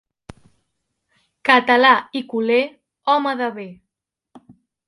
Català i culer, home de bé.